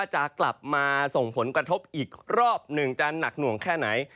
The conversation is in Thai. จะพบอีกรอบหนึ่งจะหนักหน่วงแค่ไหน